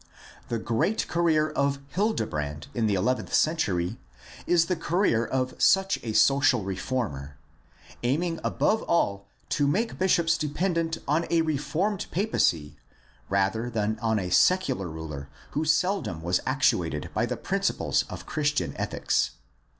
The great career of Hildebrand in the eleventh century is the career of such a social reformer aiming above all to make bishops dependent on a reformed papacy rather than on a secular ruler who seldom was actuated by the principles of Christian ethics.